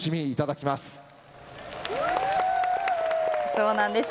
そうなんです。